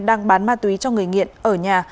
đang bán ma túy cho người nghiện ở nhà